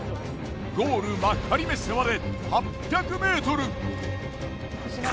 ゴール幕張メッセまで８００ｍ。